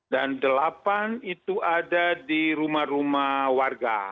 dan delapan itu ada di rumah rumah warga